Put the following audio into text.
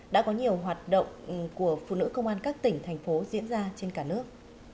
đã có nhiều hoạt động của phụ nữ công an các tỉnh thành phố diễn ra trên cả nước